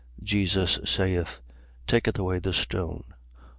11:39. Jesus saith: Take away the stone.